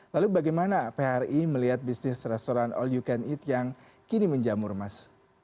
lalu bagaimana phri melihat bisnis restoran all you can eat yang kini menjamur mas